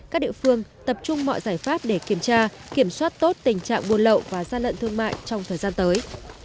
các địa phương tập trung mọi giải pháp để kiểm tra kiểm soát tốt tình trạng buôn lậu và gian lận thương mại trong thời gian tới